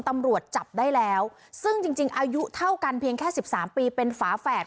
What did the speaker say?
ตำรวจจับได้แล้วซึ่งจริงจริงอายุเท่ากันเพียงแค่สิบสามปีเป็นฝาแฝด